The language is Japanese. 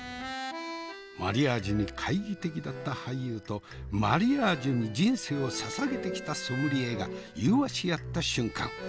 マリアージュに懐疑的だった俳優とマリアージュに人生をささげてきたソムリエが融和し合った瞬間。